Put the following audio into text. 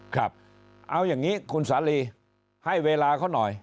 ครับเอาอย่างนี้คุณสาลีให้เวลาเขาหน่อย